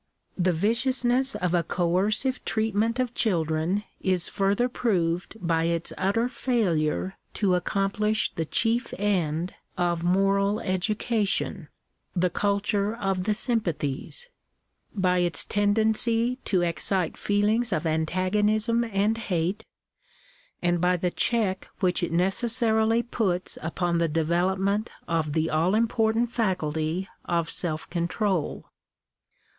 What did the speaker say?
The viciousness of a coercive treatment of children is further proved by its utter failure to accomplish the chief end of moral education — the culture of the sympathies'; by its tendency to excite feelings of antagonism and hate ; and by the check which it necessarily puts upon the development of the all import ant faculty of self control.